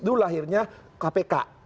dulu lahirnya kpk